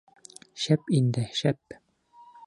Шәп инде, шәп!